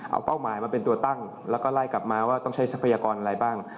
เอาเป้าหมายมาเป็นตัวตั้งแล้วก็ไล่กลับมาว่าต้องใช้ทรัพยากรอะไรบ้าง